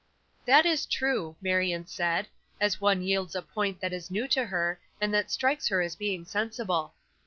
"That is true," Marion said, as one yields a point that is new to her, and that strikes her as being sensible.